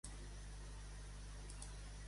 Se solen anhelar els còmics que menciona?